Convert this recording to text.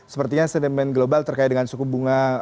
sepertinya sentimen global terkait dengan suku bunga